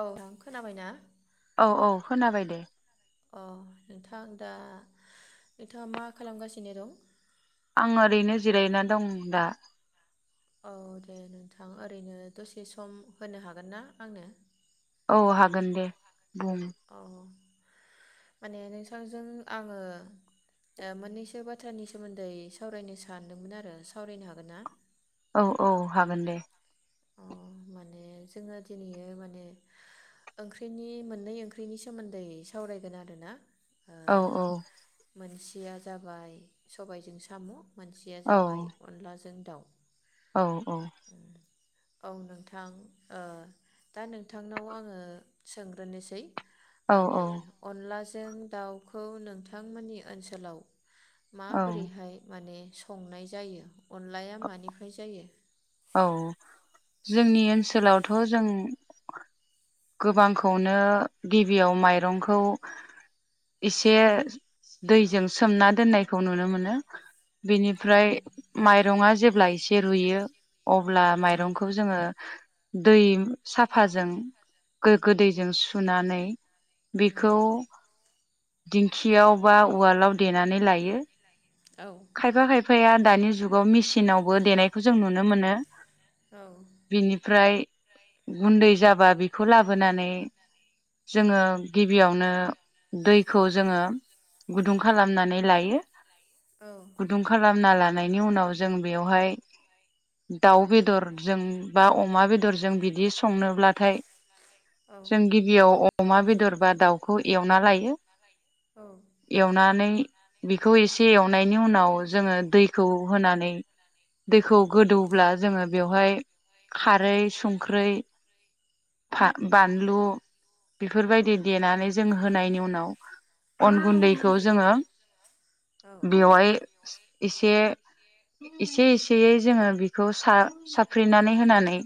औ [unintelligible] खोनाबायना औ औ खोनाबाय दे अ नोंथां दा नोंथाङा मा खालामगासिनो दं आं ओरैनो जिरायना दं दा औ दे नोंथां ओरैनो दसे सम होनो हागोन ना आंनो औ हागोन दे बुं औ माने नोंथांजों आङो ओ मोननैसो बाथ्रानि सोमोन्दै सावरायनो सानदोंमोन आरो सावरायनो हागोन ना औ औ हागोन दे अ माने जोङो दिनैयो माने ओंख्रिनि मोननै ओंख्रिनि सोमोन्दै सावरायगोन आरो ना औ औ [inaudible] मोनसेया जाबाय औ अनलाजों दाउ औ औ औ नोंथां ओ दा नोंथांनाव आङो सोंग्रोनोसै औ माने अनला जों दाउखौ नोंथांमोननि ओनसोलाव औ माबोरैहाय माने संनाय जायो अनलाया मानिफ्राय जायो औ जोंनि ओनसोलावथ जों गोबांखौनो गिबियाव माइरंखौ एसे दैजों सोमना दोननायखौ नुनो मोनो औ बेनिफ्राय माइरंआ जेब्ला ए से रुययो अब्ला माइरंखौ जोङो दै साफाजों गोग्गो दैजों सुनानै उम बेखौ दिंखियाव बा उवालाव देनानै लायो। औ खायफा खायफा या दानि जुगाव मेसिनावबो देनायखौ जों नुनो मोनो। बिनिफ्राय गुन्दै जाबा बि खौ लाबोनानै जोङो गिबियावनो दैखौ जोङो गुदुं खालामनानै लायो। औ गुदुं खालामना ला नायनि उनाव जों बेवहाय दाउ बेदरजों बा अमा बेदरजों बिदि संनोब्लाथाय औ जों गिबियाव अमा बेदर बा दाउखौ एवना लायो। औ एवनानै बेखौ एसे एव नायनि उनाव जोङो दैखौ होनानै दैखौ गोदौब्ला जोङो बेवहाय खारै संख्रै फा बानलु बेफोरबायदि देनानै जों औ होनायनि उनाव अन गुन्दैखौ जोङो औ बेवहाय एसे एसे एसेयै जोङो बेखौ सा साफ्रे नानै होनानै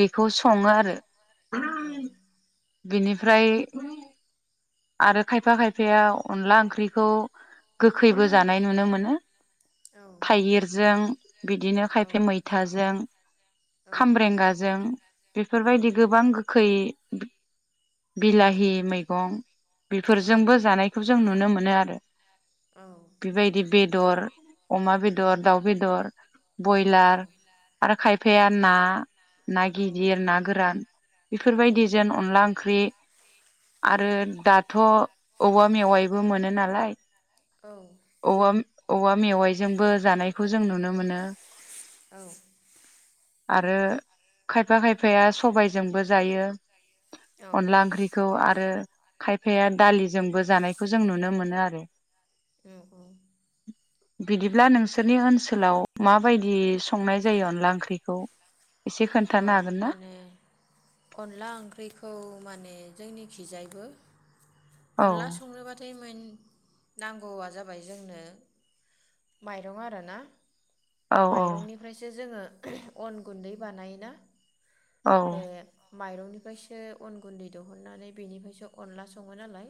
बेखौ स सङो आरो। औ बिनिफ्राय आरो खायफा खाय फाया अनला ओंख्रिखौ गोखैबो जानाय नुनो मोनो औ थाइगिरजों, बिदिनो खायफाया मैथाजों, खामरेंगाजों बेफोरबायदि गोबां गोखै बिला हि मैगं बेफोरजोंबो जानायखौ जों नुनो मोनो नुनो मोनो आरो बेबायदि बे दर अमा बेदर, दाउ बेदर, बयलार आरो खायफाया ना ना गिदिर ना गोरान बेफोरबायदिजों अनला ओंख्रि [unintelligible] दाथ' औवा मेवाइबो मोनो नालाय अनला औवा औवा मेवाइजोंबो जानायखौ जों नुनो मोनो। औ आरो खायफा खायफाया सबाय जोंबो जायो अनला ओंख्रि ओंख्रिखौ आरो खायफाया दालिजोंबो जानायखौ जों नुनो मोनो आरो ओ औ बिदिब्ला नोंसोरनि ओनसोलाव माबायदि संनाय जायो अनला ओंख्रिखौ एसे औ खोन्थानो हागोन ना मा होनो अनला ओंख्रिखौ माने जोंनि खिजायबो औ अनला संनोबाथाय मोन नांगौआ जाबाय जोंनो माइरं आरोना औ माइरंनिफ्रायसो जोंङो अन गुन्दै बानाय ना औ बे माइरंनिफ्रायसो अन गुन्दै देहननानै बेनिफ्रायसो अनला संङो नालाय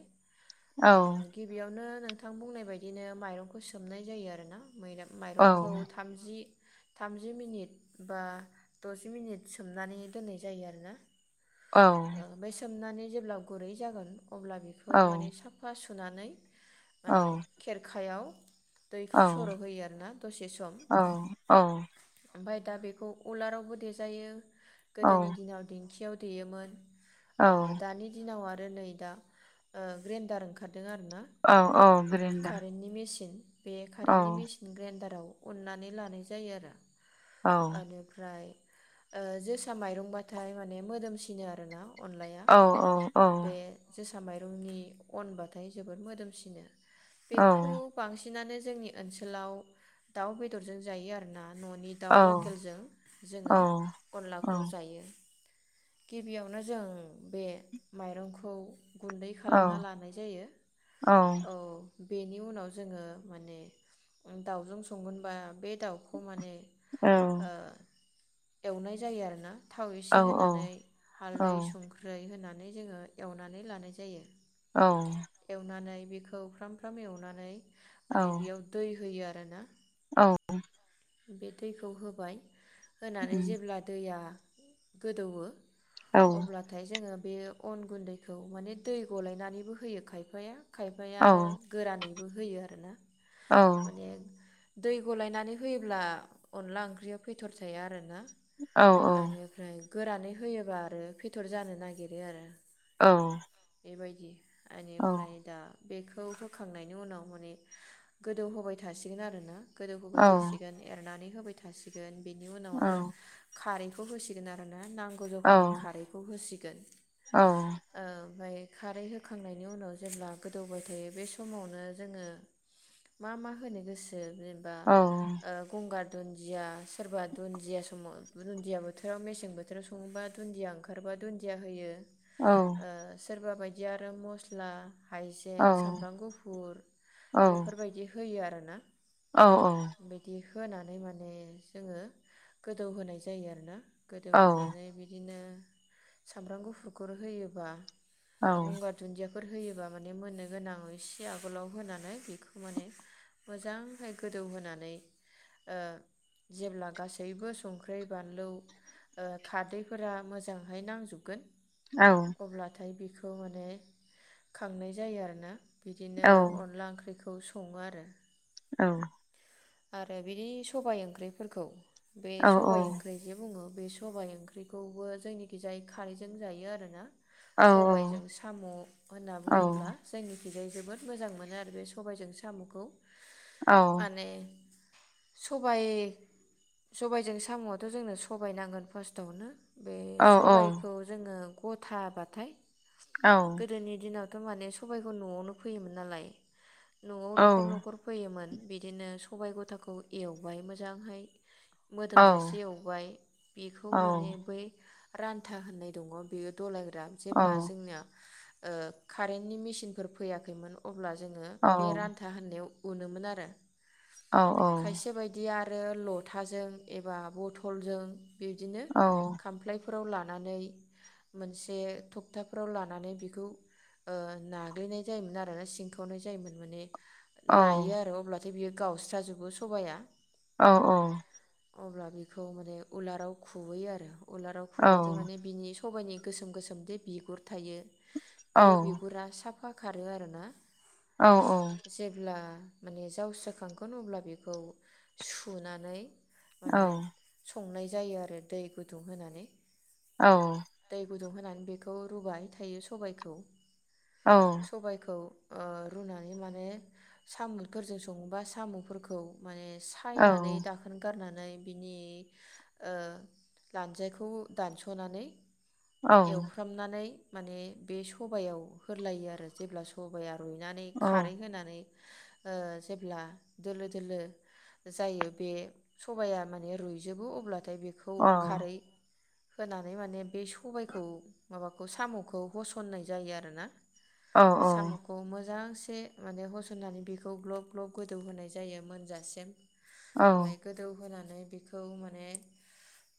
औ ओ गिबियावनो नोंथां बुंनाय बायदिनो माइरंखौ सोमनाय जायो आरो ना औ माइरंखौ थामजि थामजि मिनिट बाद दजि मिनिट सोमनानै दोननाय जायो आरोना औ ओमफ्राय सोमनानै जेब्ला गुरै जागोन अब्ला बेखौ औ माने साफा सुफ होनानै औ माने खेरखायाव औ दैखौ सर' होयो आरोना दसे सम ओमफाय दा बेखौ उलारावबो दे जायो गोदोनि दिनाव दिंखि देयोमोन औ ओ दानि दिनाव नै दा ओ ग्रेनदार ओंखार दों आरो ना औ औ ग्रेन्डार कारेन्टनि मेसिन बे औ कारेन्टनि मेसिन ग्रेनडाराव उननानै लानाय जायो आरो औ ओनिफ्राय ओ जोसा माइरंबाथाय माने मोदोमसिनो आरो ना। अनलाया औ औ बे माइरंनि अनबाथाय जोबोद मोदोमसिनो। औ बेखौ बांसिन नानो जोंनि ओनसोलाव दाउ बेदरजों जायो आरो ना। न'नि दाउ औ लकेलजों जोङो। औ अनलाखौ जायो। गिबियावनो जों बे माइरंखौ। गुन्दै औ खालामना लानाय जायो। औ। बेनि उनाव जोङो माने दाउजों संगोनबा बे दाउखौ माने ओ एवनाय जायो आरो ना? थाव एसे होनानै औ हालदै संख्रै होनानै। नै जोङो एवनानै लानाय जायो। एवनानै बेखौ फ्राम फ्राम एवनानै माने बेयाव दै होयो आरो। [unintelligible] ना औ बूं। बे दैखौ होबाय। होनानै जेब्ला दैया। गोदौवो। अब्लाथाय जोङो। बे अन गुन्दैखौ माने दै गलायनानैबो होयो खायफाया। खायफाया आरो गोरानैबो होयो आरोना माने। दै गलायनानै फैयोब्ला अनला ओंख्रिया फेथर थाया आरो ना। औ औ आरो ओमफ्राय। गोरानै होयोबा आरो फेथर जानो नागिरो आरो। औ। बेबायदि। औ बेनिफ्राय दा। बेखौ होखांनायनि उनाव माने गोदौहोबाय थासिगोन आरो ना। गोदौहोबाय थासिगोन। एरनानै होबाय थासिगोन बेनि उनाव आरो खारै खौ होसिगोन आरो नांगौ जखानि खारैखौ होसि गोन औ ओमफ्राय खारै होखांनायनि उनाव जेब्ला गोदौबाय थायो बे समावनो जोङो मा मा होनो गोसो जेनबा गंगार दुन्दिया सोरबा दुन्दिया समाव दुन्दिया बोथोराव मेसें बोथोराव सङोबा दुन्दिया ओंखारबा दुन्दिया होयो सोरबा बायदि ओमफाय आरो मस्ला हाइजें सामब्राम गुफुर बेफोरबायदि होयो आरो ना ना औ औ बिदि होनानै माने जोङो गोदौहोनाय जायो आरो ना गोदौहोनानै बिदिनो सामब्राम गुफुरखौ होयोबा गंगार दुन्दिया होयोबा माने मोननो गोनां इसे आगोलाव होनानै बेखौ माने मोजांहै होनानै होननानै जेब्ला गासैबो संख्रि बानलु खारदैफोरा मोजांहाय नांजोबगोन अब्लाथाय बेखौ खौ माने खांनाय जायो आरो ना बिदिनो अनला ओंख्रिखौ खौ सङो आरो। औ। आरो बिदि सबाय ओंख्रिफोरखौ बे सबाइ ओंख्रि जे बुङो बे सबाय ओंख्रिखौबो जोंनिखि जाय खारैजों जायो आरोना। सबायजों साम' होनना बुङोब्ला जोंनि खिजाय जोबोद मोजां मोनो आरो बे सबायजों साम'खौ। माने सबाय सबायजों साम'आथ' जोंनो सबाय नांगोन फार्स्टआवनो। बे सबायखौ जोङो गथाबाथाय गोदोनि दिनाव दाथ' माने सबायखौ न'आवनो फैयोमोन नालाय न'आव नखर नखर फैयोमोन। बिदिनो सबाय गथाखौ एवबाय मोजांहाय मोदोमजासे एवबाय बेखौ माने बै रान्था होननाय दङ' बेयो दलाय ग्रा जेब्ला जोंनिया ओ कारेन्टनि मेचिनफोर फैयाखैमोन अब्ला जोङो बे रान्था होननायाव उनोमोन आरो। खायसे बायदिया रो लथाजों एबा बथलजों बिबदिनो खामफ्लाय फोराव लानानै मोनसे थखथाफोराव लानानै बेखौ ओ नाग्लिनाय जायोमोन आरो सिंखावनाय जायोमोन माने नायो आरो अब्ला थाय बियो गावस्राजोबो सबायया। औ औ। अब्ला बेखौ माने उलाराव खुबैयो आरो। उलाराव खुबाथाय माने बिनि सबाइनि गोसोम गोसोमदि बिगुर थायो बे बिगुरा सा फा खारो आरोना। जेब्ला माने जावस्रोखांगोन अब्ला बेखौ सुनानै माने संनाय जायो आरो दै गुदुं होनानै। औ। दै गुदुं होनानै बेखौ रुबाय थायो सबायखौ। सबायखौ ओ रुनानै माने सामुफोरजों संबा सामुफोरखौ माने सायनानै दाखोन गारना नै बिनि ओ लानजायखौ दानस'नानै एवफ्रामनानै माने बे सबायाव होदलायो आरो जेब्ला सबाया रुइनानै खारै होनानै ओ जेब्ला दोलो दोलो जायो बे सबाया माने रुइजोबो अब्ला थाय बेखौ खारै होनानै माने बे सबायखौ माबाखौ सामखौ होसननाय जायो आरोना सामखौ मोजां से माने होसननानै बेखौ ग्लब ग्लब गोदौ होनाय जायो मोनजासिम ओमफ्राय गोदौ होनानै बेखौ माने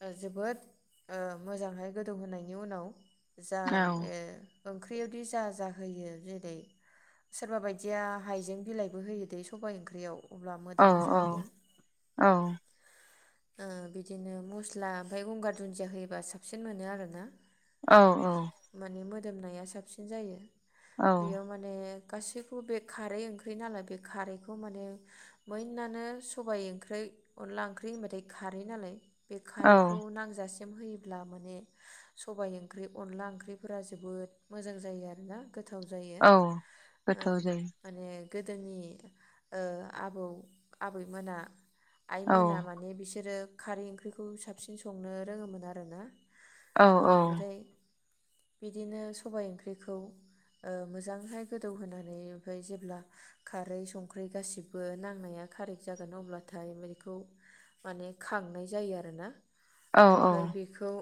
ओ जोबोद ओ मोजांहाय गोदौ होनायनि उनाव जा औ ओ ओंख्रियावदि जा जा होयो जेरै सोरबा बायदिया हाइजें बिलाइबो होयो दै सबाय ओंख्रियाव अब्ला औ मोदोमो औ जाहैदों औ ओ बिदिनो मस्ला ओमफ्राय गंगार दुन्दिया होयोबा साबसिन मोनो आरोना। औ औ दोमनाया साबसिन जायो। बेयाव माने गासैखौबो बे खारै ओंख्रि नालाय बे खारै खौ माने बयनानो सबायाइ ओंख्रि अनला ओंख्रि होनबाथाय खारै नालाय बे खारैखौ औ नांजासि मा होयोब्ला माने सबाय ओंख्रि अनला ओंख्रिफोरा जोबोद मोजां जायो आरोना गोथाव जायो। औ ओ गोथाव जायो माने गोदोनि ओ आबौ आबैमोना औ आइमोना माने बिसोरो खारै ओंख्रिखौ साबसिन संनो रोङोमोन आरो ना। औ ओमफ्राय बिदिनो सबाइ ओंख्रिखौ ओ मोजांहाय गोदौहोनानै ओमफ्राय जेब्ला खारै सं ख्रि गाससिबो नांनाया कारेक्ट जागोन अब्लाथाय बेखौ माने खांनाय जायो आरोना औ ओमफफ्राय बेखौ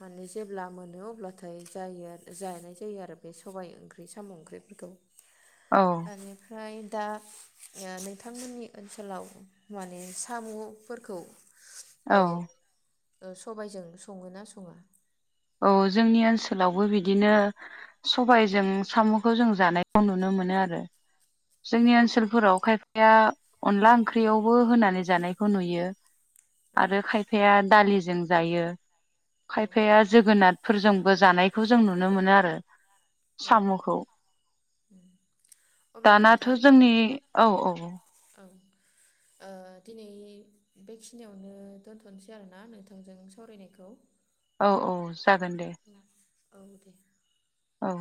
माने जेब्ला मोनो अब्लाथाय जायो आर जानाय जायो आरो बे सबायाइ ओंख्रि साम' ओंख्रिफोरखौ। आनिफ्राय दा ओ नोंथांमोननि ओनसोलाव माने साम'फोरखौ औ। ओ ओ सबायजों सङो ना सङा? औ जोंनि ओनसोलावबो बिदिनो सबायजों साम'खौ जों जानायखौ नुनो मोनो आरो। जोंनि ओनसोलफोराव खायफाया अनला ओंख्रियावबो होनानै जानायखौ नुयो औ आरो खायफाया दालिजों जायो। औ खायफाया जोगोनार। फोरजोंबो जानायखौ जों नुनो मोनो आरो। औ साम'खौ। [inaudible] अब्ला दानाथ' नोंथां जोंनि औ औ औ। औ ओ दिनै बेखिनियावनो दोनथ'नोसै आरोना नोंथांजों सावरायनायखौ। औ औ जागोन दे। औ दे [inaudible] औ।